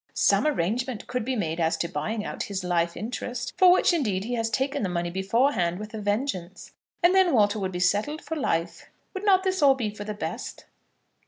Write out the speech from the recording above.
Some arrangement could be made as to buying out his life interest, for which indeed he has taken the money beforehand with a vengeance, and then Walter would be settled for life. Would not this be all for the best?